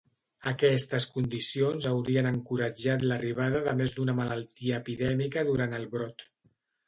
Aquestes condicions haurien encoratjat l'arribada de més d'una malaltia epidèmica durant el brot.